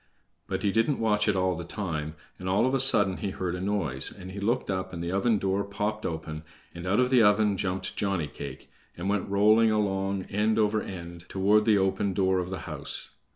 But he didn't watch it all the time, and all of a sudden he heard a noise, and he looked up and the oven door popped open, and out of the oven jumped Johnny cake, and went rolling along end over end, toward the open door of the house.